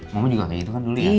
momen juga kayak gitu kan dulu ya